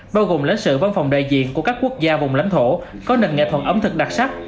bao gồm lãnh sự văn phòng đại diện của các quốc gia vùng lãnh thổ có nền nghệ thuật ẩm thực đặc sắc